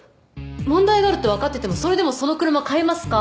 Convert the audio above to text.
問題があるってわかっててもそれでもその車買いますか？